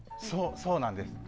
そうなんです。